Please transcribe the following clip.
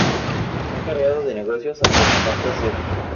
Fue encargado de negocios ante la Santa Sede.